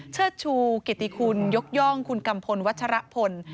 เชิดชูกิติคุณยกย่องคุณกัมพลวัชรพล